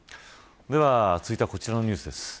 では続いてはこちらのニュースです。